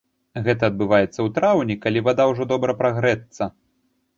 Гэта адбываецца ў траўні, калі вада ўжо добра прагрэцца.